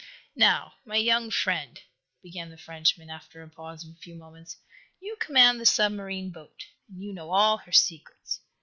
"Now, my young friend," began the Frenchman, after a pause of a few moments, "you command the submarine boat, and you know all her secrets.